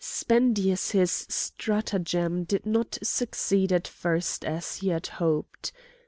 Spendius's stratagem did not succeed at first as he had hoped.